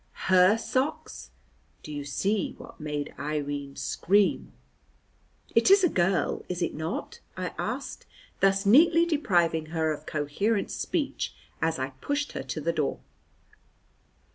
Her socks. Do you see what made Irene scream? "It is a girl, is it not?" I asked, thus neatly depriving her of coherent speech as I pushed her to the door.